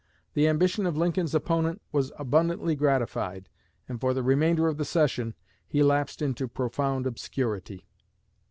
The ambition of Lincoln's opponent was abundantly gratified, and for the remainder of the session he lapsed into profound obscurity."